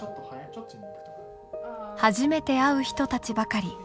初めて会う人たちばかり。